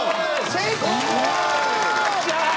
成功！